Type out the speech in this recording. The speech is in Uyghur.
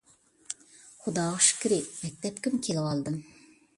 خۇداغا شۈكرى، مەكتەپكىمۇ كېلىۋالدىم.